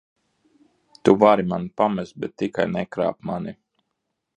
Tu vari mani pamest, bet tikai nekrāp mani!